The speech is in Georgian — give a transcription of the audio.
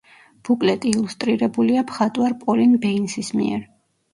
ბუკლეტი ილუსტრირებულია მხატვარ პოლინ ბეინსის მიერ.